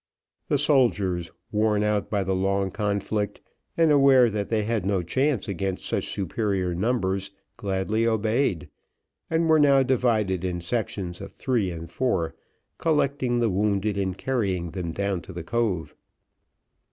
The soldiers, worn out by the long conflict, and aware that they had no chance against such superior numbers, gladly obeyed, and were now divided in sections of three and four, collecting the wounded and carrying them down to the cove.